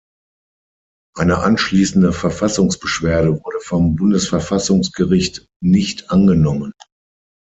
Eine anschließende Verfassungsbeschwerde wurde vom Bundesverfassungsgericht nicht angenommen.